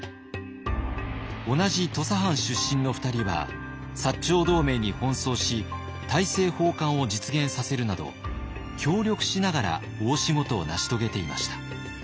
同じ土佐藩出身の２人は長同盟に奔走し大政奉還を実現させるなど協力しながら大仕事を成し遂げていました。